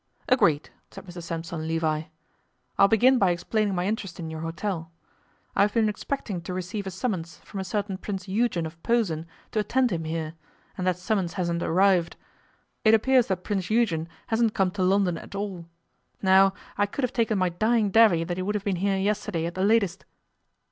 'Agreed,' said Mr Sampson Levi. 'I'll begin by explaining my interest in your hotel. I have been expecting to receive a summons from a certain Prince Eugen of Posen to attend him here, and that summons hasn't arrived. It appears that Prince Eugen hasn't come to London at all. Now, I could have taken my dying davy that he would have been here yesterday at the latest.